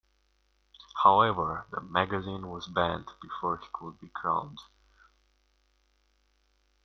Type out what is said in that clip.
However, the magazine was banned before he could be 'crowned'.